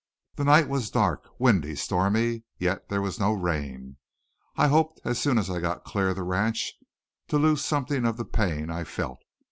The night was dark, windy, stormy, yet there was no rain. I hoped as soon as I got clear of the ranch to lose something of the pain I felt.